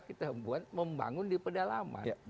kita membangun di pedalaman